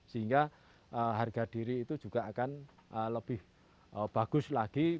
sehingga harga diri itu juga akan lebih bagus lagi